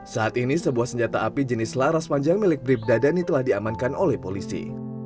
saat ini sebuah senjata api jenis laras panjang milik bribda dhani telah diamankan oleh polisi